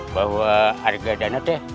bahwa harga dana